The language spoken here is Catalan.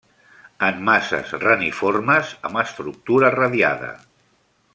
En masses reniformes amb estructura radiada.